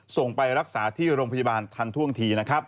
ส่งไปรักษาที่โรงพยาบาลทันท่วงทีนะครับ